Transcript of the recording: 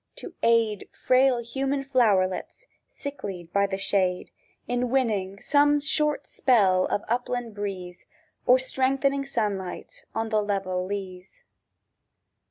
—to aid Frail human flowerets, sicklied by the shade, In winning some short spell of upland breeze, Or strengthening sunlight on the level leas.